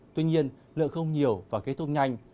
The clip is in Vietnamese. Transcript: tuy nhiên lượng không nhiều và kết thúc nhanh